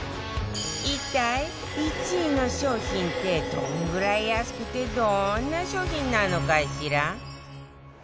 一体１位の商品ってどんぐらい安くてどんな商品なのかしら？